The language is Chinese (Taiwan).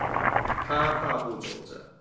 他大步走著